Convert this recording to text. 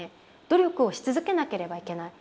努力をし続けなければいけない。